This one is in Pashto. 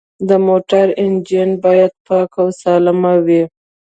د موټر انجن باید پاک او سالم وي.